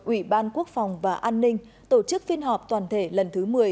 ủy ban quốc phòng và an ninh tổ chức phiên họp toàn thể lần thứ một mươi